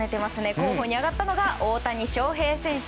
候補に挙がったのが大谷翔平選手